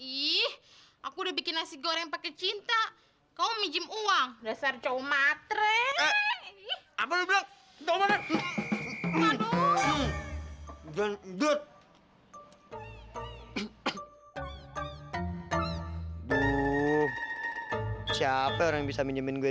ih aku udah bikin nasi goreng pakai cinta kau minjem uang dasar cowok matre